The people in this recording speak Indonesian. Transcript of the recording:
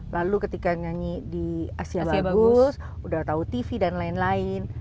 lalu ketika nyanyi di asia bagus udah tau tv dan lain lain